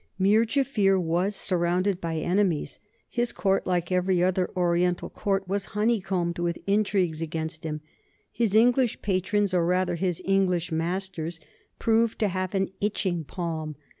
Mir Jaffier was surrounded by enemies. His court, like every other Oriental court, was honeycombed with intrigues against him. His English patrons, or rather his English masters, proved to have an itching palm.